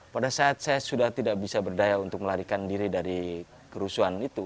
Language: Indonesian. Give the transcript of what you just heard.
pada saat saya sudah tidak bisa berdaya untuk melarikan diri dari kerusuhan itu